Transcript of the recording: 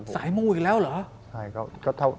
มูอีกแล้วเหรอ